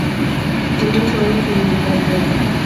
De muy joven se dedicó al teatro.